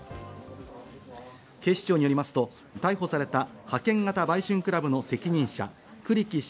警視庁によりますと逮捕された派遣型売春クラブの責任者・栗木駿